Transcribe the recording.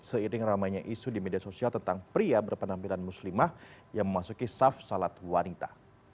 seiring ramainya isu di media sosial tentang pria berpenampilan muslimah yang memasuki saf salat wanita